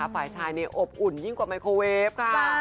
ฝ่ายชายเนี่ยอบอุ่นยิ่งกว่าไมโครเวฟค่ะ